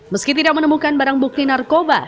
meski tidak menemukan barang bukti narkoba